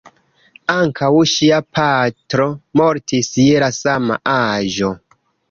Ankaŭ ŝia patro mortis je la sama aĝo.